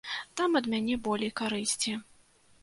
Там ад мяне болей карысці.